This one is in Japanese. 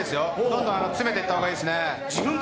どんどん詰めていった方がいいですね。